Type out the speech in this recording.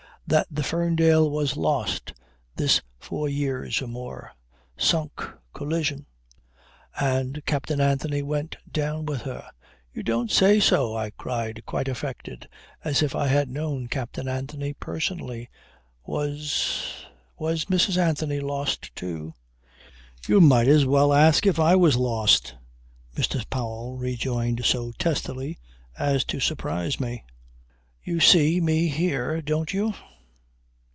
"That the Ferndale was lost this four years or more. Sunk. Collision. And Captain Anthony went down with her." "You don't say so!" I cried quite affected as if I had known Captain Anthony personally. "Was was Mrs. Anthony lost too?" "You might as well ask if I was lost," Mr. Powell rejoined so testily as to surprise me. "You see me here, don't you."